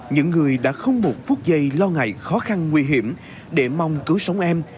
những người đã không một phút giây lo ngại khó khăn nguy hiểm để mong cứu sống em